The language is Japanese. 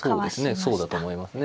そうだと思いますね。